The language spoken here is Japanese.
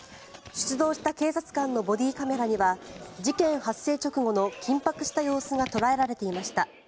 出動した警察官のボディーカメラには事件発生直後の緊迫した様子が捉えられていました。